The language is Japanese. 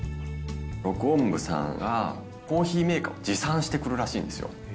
録音部さんが、コーヒーメーカーを持参してくるらしいんですよ。